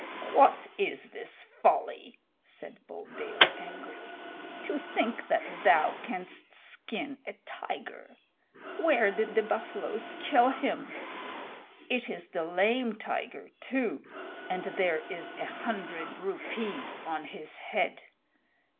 "What is this folly?" said Buldeo angrily. "To think that thou canst skin a tiger! Where did the buffaloes kill him? It is the Lame Tiger too, and there is a hundred rupees on his head.